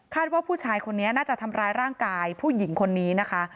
ว่าผู้ชายคนนี้น่าจะทำร้ายร่างกายผู้หญิงคนนี้นะคะ